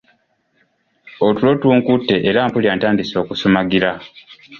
Otulo tunkutte era mpulira ntandise okusumagira.